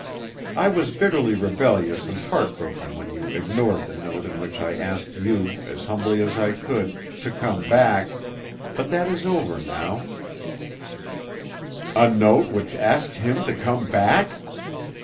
I was bitterly rebellious and heart broken when you ignored the note in which I asked you, as humbly as I could, to come back, but that is over now " _A note which asked him to come back!